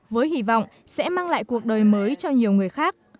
với hy vọng sẽ mang lại cuộc đời mới cho nhiều người khác